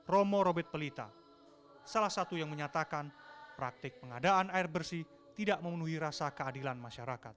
romo robert pelita salah satu yang menyatakan praktik pengadaan air bersih tidak memenuhi rasa keadilan masyarakat